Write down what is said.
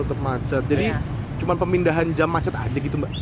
tetap macet jadi cuma pemindahan jam macet aja gitu mbak